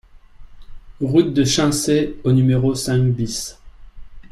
Route de Chincé au numéro cinq BIS